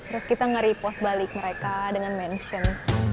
terus kita nge repost balik mereka dengan mention